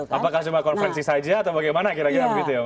apakah cuma konvensi saja atau bagaimana kira kira begitu ya pak eni